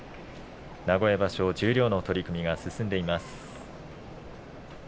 名古屋場所、十両の取組が進んでいます。